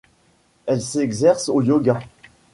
Elle s'exerce au yoga.